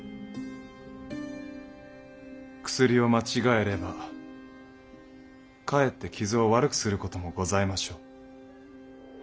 薬を間違えればかえって傷を悪くすることもございましょう。